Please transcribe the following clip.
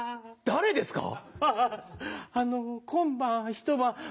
何ですか？